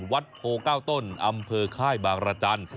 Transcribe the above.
วัดโพ๙ต้นอำเภอค่ายบางรจันทร์